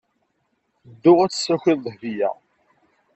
Ddu ad d-tessakiḍ Dahbiya.